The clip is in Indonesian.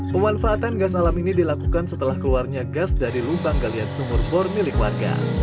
pemanfaatan gas alam ini dilakukan setelah keluarnya gas dari lubang galian sumur bor milik warga